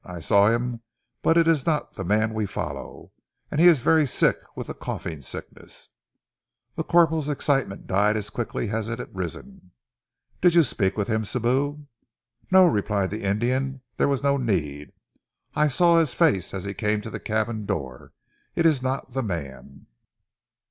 "I saw him, but it is not the man we follow; and he is very sick with the coughing sickness!" The corporal's excitement died as quickly as it had risen. "Did you speak with him, Sibou?" "No," replied the Indian. "There was no need. I saw his face as he came to the cabin door. It is not the man."